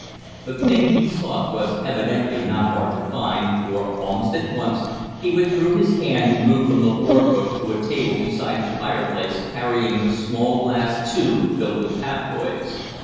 The thing he sought was evidently not hard to find, for almost at once he withdrew his hand and moved from the wardrobe to a table beside the fireplace, carrying a small glass tube filled with tabloids.